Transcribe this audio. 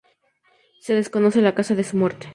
Se desconoce la causa de su muerte.